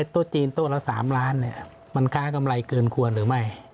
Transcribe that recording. โต๊ะจีนโต๊ะละ๓ล้านมันค้ากำไรเกินควรหรือไม่